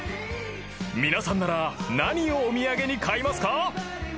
［皆さんなら何をお土産に買いますか？］